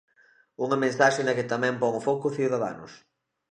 Unha mensaxe na que tamén pon o foco Ciudadanos.